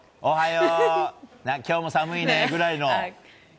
おはよう今日も寒いねぐらいの？